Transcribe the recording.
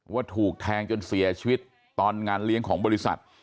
ว่าถูกแทงจนเสียชีวิตตอนงานเลี้ยงของบริษัท